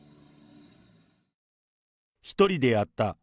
１人でやった。